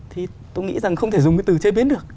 thì tôi nghĩ rằng không thể dùng cái từ chế biến được